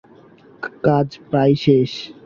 কাজ প্রায় শেষ।